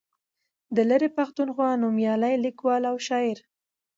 د لرې پښتونخوا نومیالی لیکوال او شاعر